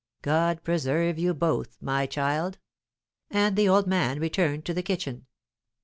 "God preserve you both, my child!" And the old man returned to the kitchen.